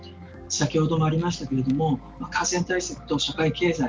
先ほどもありましたけれども感染対策と社会経済